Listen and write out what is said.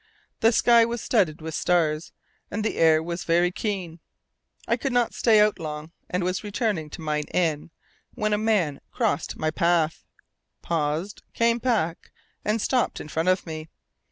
The sky was studded with stars and the air was very keen. I could not stay out long, and was returning to mine inn, when a man crossed my path, paused, came back, and stopped in front of me.